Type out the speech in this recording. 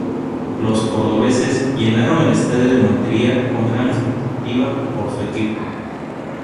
Los cordobeses llenaron el Estadio de Montería con gran expectativa por su equipo.